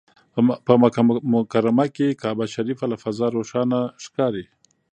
په مکه مکرمه کې کعبه شریفه له فضا روښانه ښکاري.